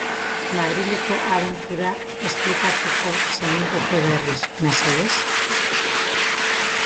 Madrileko abentura esplikatuko zeniguke berriz, mesedez?